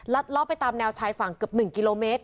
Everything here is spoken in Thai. ลอบไปตามแนวชายฝั่งเกือบ๑กิโลเมตร